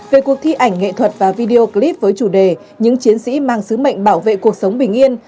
về cuộc thi ảnh nghệ thuật và video clip với chủ đề những chiến sĩ mang sứ mệnh bảo vệ cuộc sống bình yên